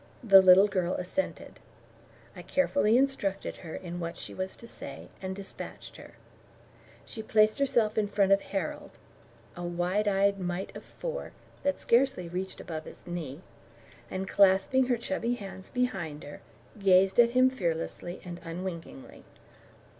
The little girl assented. I carefully instructed her in what she was to say, and dispatched her. She placed herself in front of Harold a wide eyed mite of four, that scarcely reached above his knee and clasping her chubby hands behind her, gazed at him fearlessly and unwinkingly.